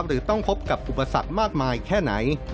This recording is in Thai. หรือต้องพบกับอุปสรรคมากมายแค่ไหน